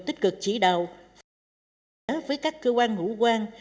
tích cực chỉ đạo phối hợp với các cơ quan hữu quan